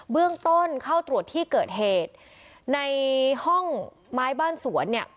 เบื้องต้นเข้าตรวจที่เกิดเหตุในห้องไม้บ้านสวนเนี่ย